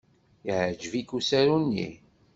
Yeɛjeb-ik usaru-nni?